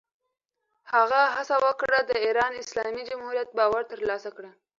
هغه هڅه وکړه، د ایران اسلامي جمهوریت باور ترلاسه کړي.